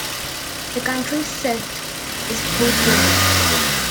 The county seat is Hood River.